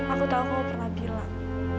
aku tahu kamu pernah bilang